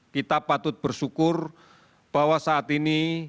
kita patut bersyukur bahwa saat ini